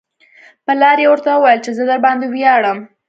پلار یې ورته وویل چې زه درباندې ویاړم